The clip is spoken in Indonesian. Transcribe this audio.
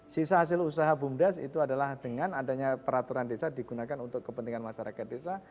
sisa hasil usaha bumdes itu adalah dengan adanya peraturan desa digunakan untuk kepentingan masyarakat desa